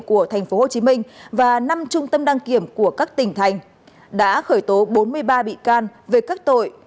của tp hcm và năm trung tâm đăng kiểm của các tỉnh thành đã khởi tố bốn mươi ba bị can về các tội